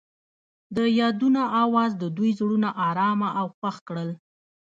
د یادونه اواز د دوی زړونه ارامه او خوښ کړل.